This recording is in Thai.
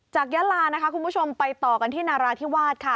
ยะลานะคะคุณผู้ชมไปต่อกันที่นาราธิวาสค่ะ